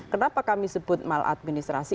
kenapa kami sebut maladministrasi